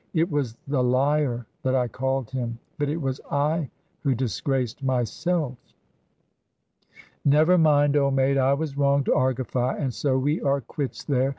It was the liar that I called him, but it was I who disgraced myself." "Never mind, old mate, I was wrong to argify, and so we are quits there.